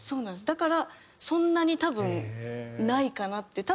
だからそんなに多分ないかなっていう。